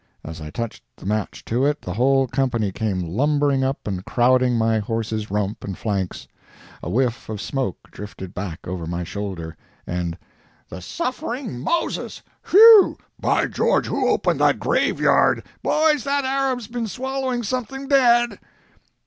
As I touched the match to it the whole company came lumbering up and crowding my horse's rump and flanks. A whiff of smoke drifted back over my shoulder, and— "The suffering Moses!" "Whew!" "By George, who opened that graveyard?" "Boys, that Arab's been swallowing something dead!"